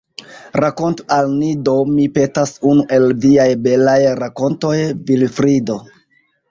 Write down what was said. Rakontu al ni do, mi petas, unu el viaj belaj rakontoj, Vilfrido.